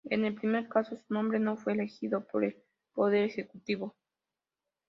En el primer caso, su nombre no fue elegido por el Poder Ejecutivo.